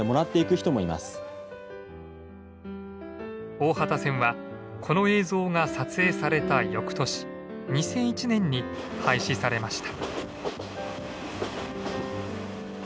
大畑線はこの映像が撮影されたよくとし２００１年に廃止されました。